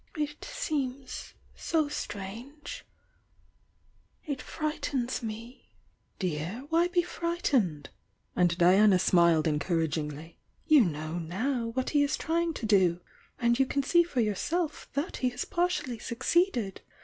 — it seems so strange ! It frightens me " "Dear, why be frightened?" and Diana smiled en couragingly. "You know now what he is trying to do— and you can see for yourself that he has par tially succeeded